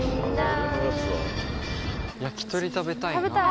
焼き鳥食べたいな。